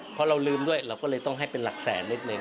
เพราะเราลืมด้วยเราก็เลยต้องให้เป็นหลักแสนนิดหนึ่ง